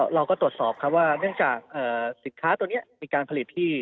เราก็ตรวจสอบครับว่าเนื่องจากสินค้าตัวนี้มีการผลิตที่